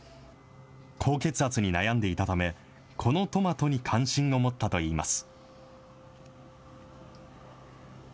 高血圧に悩んでいたため、このトマトに関心を持ったといいます。